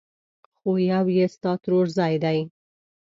خو يو يې ستا ترورزی دی!